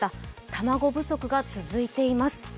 卵不足が続いています。